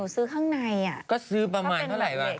ส่วนใหญ่สุดห้างในอ่ะ